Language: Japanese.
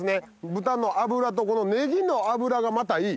豚の脂とこのネギの油がまたいい！